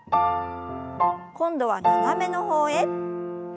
今度は斜めの方へ。